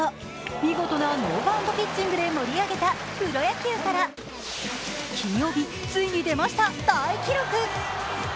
見事なノーバウンドピッチングで盛り上げたプロ野球から金曜日、ついに出ました大記録。